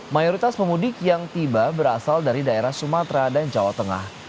mayoritas pemudik yang tiba berasal dari daerah sumatera dan jawa tengah